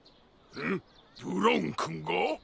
ブラウンくんが？